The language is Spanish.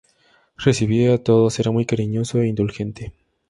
Recibía a todos, era muy cariñoso e indulgente.